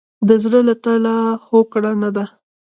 د زړه له تله هوکړه نه ده.